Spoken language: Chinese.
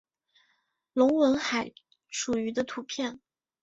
隆吻海蠋鱼的图片